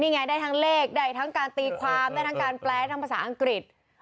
นี่ไงได้ทั้งเลขได้ทั้งการตีความได้ทั้งการแปลทั้งภาษาอังกฤษ